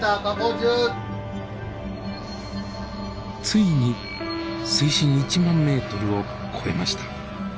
ついに水深１万ｍを超えました。